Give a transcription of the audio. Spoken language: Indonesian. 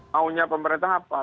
maunya pemerintah apa